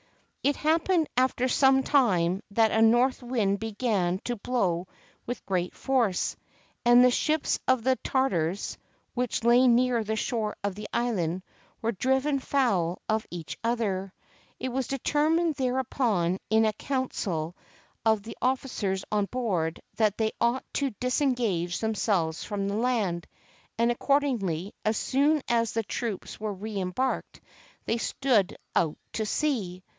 It happened after some time that a north wind began to blow with great force, and the ships of the Tartars, which lay near the shore of the island, were driven foul of each other. It was determined thereupon in a council 322 THE GREAT KHAN KUBLAI INVADES JAPAN of the officers on board that they ought to disengage themselves from the land; and accordingly, as soon as the troops were reembarked, they stood out to sea.